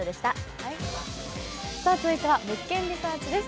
続いては「物件リサーチ」です。